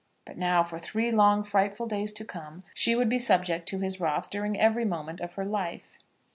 But now, for three long frightful days to come, she would be subject to his wrath during every moment of her life.